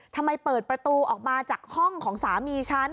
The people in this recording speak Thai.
ทำไมเปิดประตูออกมาจากห้องของสามีฉัน